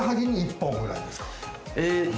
え。